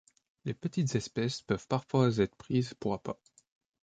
Les petites espèces peuvent parfois être prises pour appât.